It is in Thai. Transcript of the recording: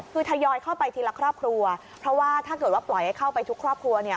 คือทยอยเข้าไปทีละครอบครัวเพราะว่าถ้าเกิดว่าปล่อยให้เข้าไปทุกครอบครัวเนี่ย